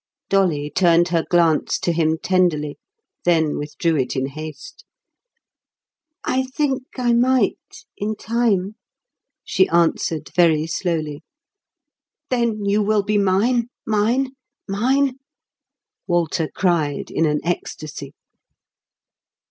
Dolly turned her glance to him tenderly, then withdrew it in haste. "I think I might, in time," she answered very slowly. "Then you will be mine, mine, mine?" Walter cried in an ecstasy.